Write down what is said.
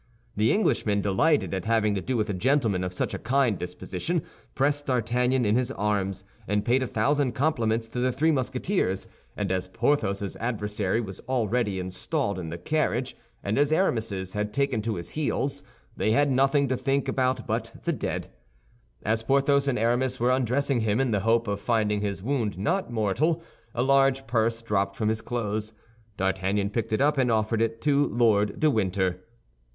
The Englishman, delighted at having to do with a gentleman of such a kind disposition, pressed D'Artagnan in his arms, and paid a thousand compliments to the three Musketeers, and as Porthos's adversary was already installed in the carriage, and as Aramis's had taken to his heels, they had nothing to think about but the dead. As Porthos and Aramis were undressing him, in the hope of finding his wound not mortal, a large purse dropped from his clothes. D'Artagnan picked it up and offered it to Lord de Winter.